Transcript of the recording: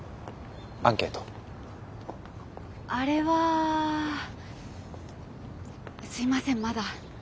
あれはすいませんまだ。